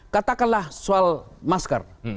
katakanlah soal masker